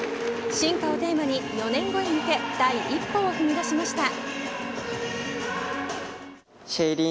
シンカーをテーマに４年後へ向け第一歩を踏み出しました。